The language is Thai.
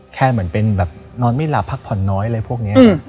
เหมือนเป็นแบบนอนไม่หลับพักผ่อนน้อยอะไรพวกนี้